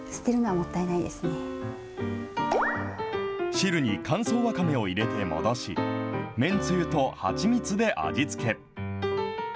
汁に乾燥わかめを入れて戻し、めんつゆとはちみつで味付け。